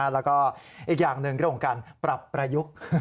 แล้วก็อีกอย่างหนึ่งเรื่องของการปรับประยุกต์